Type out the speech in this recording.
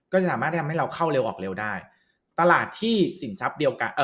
จะสามารถที่ทำให้เราเข้าเร็วออกเร็วได้ตลาดที่สินทรัพย์เดียวกันเอ่อ